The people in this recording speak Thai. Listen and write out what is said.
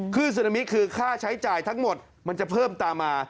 ซึนามิคือค่าใช้จ่ายทั้งหมดมันจะเพิ่มตามมา